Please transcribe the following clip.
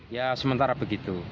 ya sementara begitu